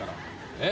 えっ？